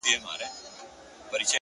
مهرباني بې له لګښته شتمني ده!